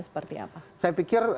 seperti apa saya pikir